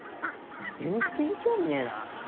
全然興味ねえな。